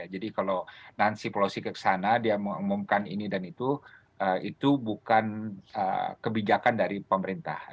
jadi kalau nancy pelosi ke sana dia mengumumkan ini dan itu itu bukan kebijakan dari pemerintah